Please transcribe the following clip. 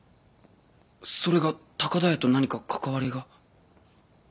それが高田屋と何か関わりが？